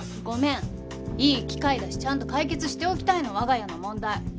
ごめんいい機会だしちゃんと解決しておきたいの我が家の問題。